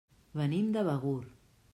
Venim de Begur.